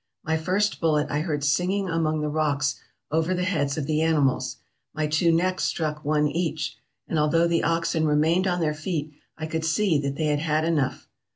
.. My first bullet I heard singing among the rocks over the heads of the animals; my two next struck one each, and although the oxen remained on their feet, I could see that they had had enough.